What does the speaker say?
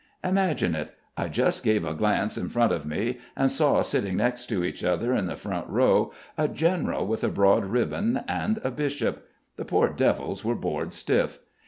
Imagine it. I just gave a glance in front of me and saw sitting next to each other in the front row a general with a broad ribbon and a bishop. The poor devils were bored stiff.